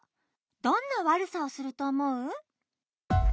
どんなわるさをするとおもう？